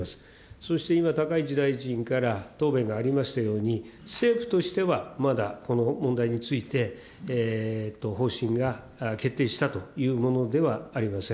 そして今、高市大臣から答弁がありましたように、政府としては、まだこの問題について、方針が決定したというものではありません。